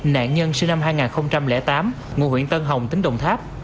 nạn nhân sinh năm hai nghìn tám ngôi huyện tân hồng tỉnh đồng tháp